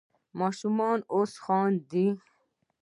ماشوم اوس خاندي.